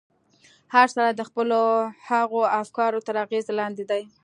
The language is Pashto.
هر سړی د خپلو هغو افکارو تر اغېز لاندې دی.